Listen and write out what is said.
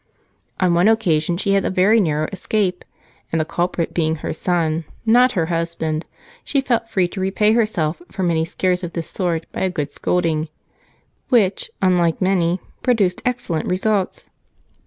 On one occasion Aunt Jane had a very narrow escape, and the culprit being her son, not her husband, she felt free to repay herself for many scares of this sort by a good scolding, which, unlike many, produced excellent results.